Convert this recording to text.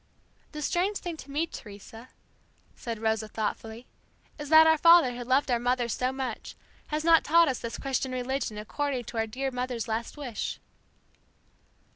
"The strange thing to me, Teresa," said Rosa thoughtfully, "is that our father who loved our mother so much, has not taught us this Christian religion according to our dear mother's last wish."